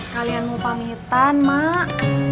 kalian mau pamitan mak